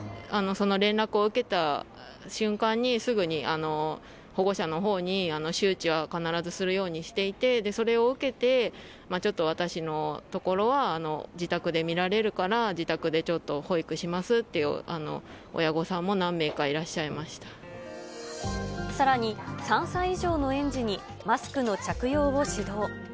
その連絡を受けた瞬間に、すぐに保護者のほうに周知は必ずするようにしていて、それを受けて、ちょっと私のところは、自宅で見られるから、自宅でちょっと保育しますっていう親御さんも何名かいらっしゃいさらに、３歳以上の園児に、マスクの着用を指導。